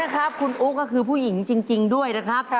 คุณอุ๊ก็คือผู้หญิงจริงด้วยนะครับ